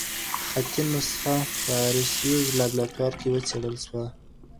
خطي نسخه په ارسیوز لابراتوار کې وڅېړل سوه.